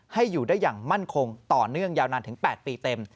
ให้อยู่ได้อย่างมั่นคงต่อเนื่องยาวนานถึง๘ปีเต็ม